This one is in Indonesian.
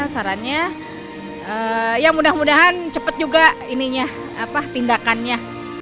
sarannya ya mudah mudahan cepet juga ininya apa tindakannya